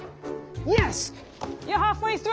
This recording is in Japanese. よし！